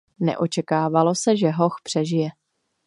Neočekávalo se, že hoch přežije.